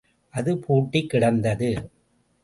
அது பூட்டிக் கிடந்தது.